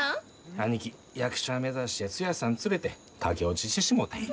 兄貴役者目指してツヤさん連れて駆け落ちしてしもうたんや。